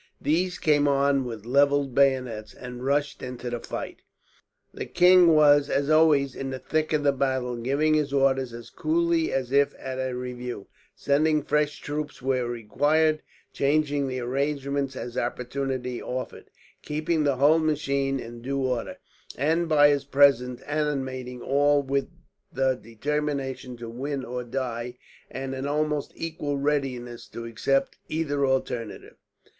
These came on with levelled bayonets, and rushed into the fight. The king was, as always, in the thick of the battle; giving his orders as coolly as if at a review, sending fresh troops where required, changing the arrangements as opportunity offered, keeping the whole machine in due order; and by his presence animating all with the determination to win or die, and an almost equal readiness to accept either alternative.